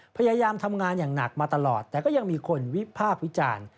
พยายามทำงานอย่างหนักมาตลอดแต่ก็ยังมีคนวิพากษ์วิจารณ์